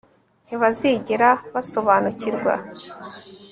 Ntibazigera basobanukirwa